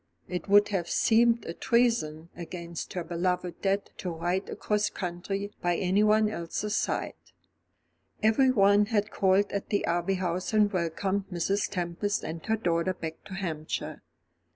It would have seemed a treason against her beloved dead to ride across country by anyone else's side. Everyone had called at the Abbey House and welcomed Mrs. Tempest and her daughter back to Hampshire.